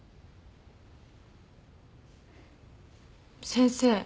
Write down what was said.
先生。